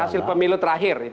hasil pemilu terakhir